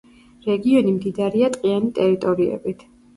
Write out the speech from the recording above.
რეგიონი მდიდარია ტყიანი ტერიტორიებით.